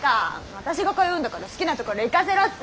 私が通うんだから好きなところ行かせろっつーの。